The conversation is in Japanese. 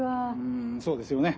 うんそうですよね。